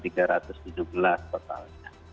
tiga ratus tujuh belas totalnya